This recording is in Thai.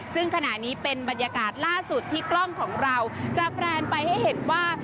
ซึ่งขณะนี้เป็นบรรยากาศล่าสุดที่กล้องของเราจะแพลนไปให้เห็นว่า